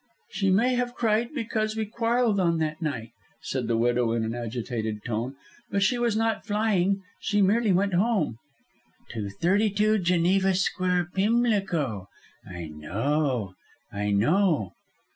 "She may have cried because we quarrelled on that night," said the widow, in an agitated tone; "but she was not flying. She merely went home." "To thirty two Geneva Square, Pimlico? I know! I know!"